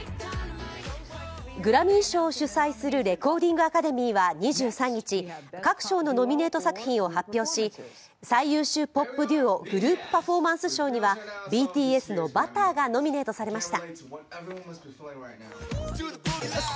グラミー賞を主催するレコーディングアカデミーは２３日、各賞のノミネート作品を発表し、最優秀ポップ・デュオ／グループ・パフォーマンス賞にはＢＴＳの「Ｂｕｔｔｅｒ」がノミネートされました。